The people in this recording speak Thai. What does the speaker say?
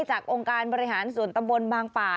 องค์การบริหารส่วนตำบลบางป่า